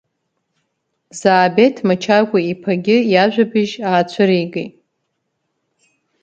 Заабеҭ Мачагәаиԥагьы иажәабжь аацәыригеит.